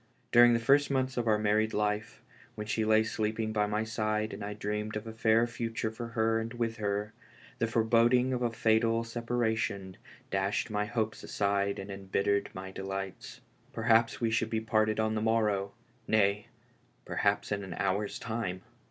During the firro months o' our married life, when she lay sleeping by my side and I dreamed of a fair future for her and vviih lici, liic loreboding of a fatal separation dashed my hopes aside and embittered my delights. Perhaps we should be parted on the morrow — nay, perhaps in an hour's time.